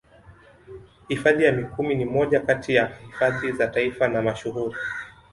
Hifadhi ya Mikumi ni moja kati ya hifadhi za Taifa na mashuhuri